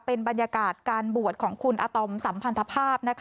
เป็นบรรยากาศการบวชของคุณอาตอมสัมพันธภาพ